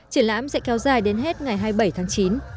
triển lãm sẽ kéo dài đến hết ngày hai mươi bảy tháng chín